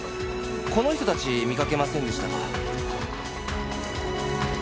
この人たち見かけませんでしたか？